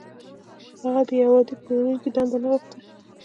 هغه د يوه عادي پلورونکي دنده نه غوښته.